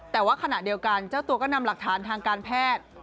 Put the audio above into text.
แต่ว่าขณะเดียวกันเจ้าตัวก็นำหลักฐานทางการแพทย์